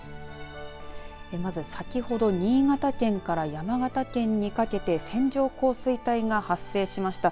まず先ほど新潟県から山形県にかけて線状降水帯が発生しました。